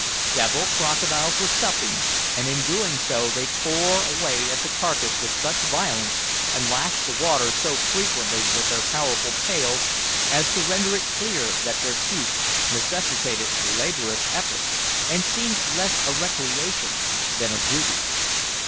Several crocodiles were supping, and in doing so they tore away at the carcase with such violence, and lashed the water so frequently with their powerful tails, as to render it clear that their feast necessitated laborious effort, and seemed less a recreation than a duty.